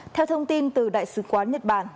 theo thông tin từ đại sứ quán nhật bản